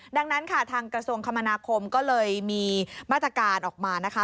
ดังนั้นค่ะทางกระทรวงคมนาคมก็เลยมีมาตรการออกมานะคะ